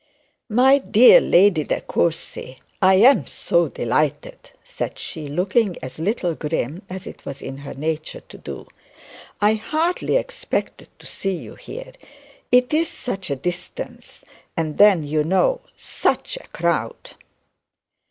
'My dear Lady De Courcy, I am so delighted,' said she, looking as little grim as it was in her nature to do so. 'I hardly expected to see you here. It is such a distance, and then you know, such a crowd.'